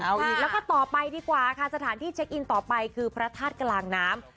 เอาอีกแล้วก็ต่อไปดีกว่าค่ะสถานที่เช็คอินต่อไปคือพระธาตุกลางน้ำ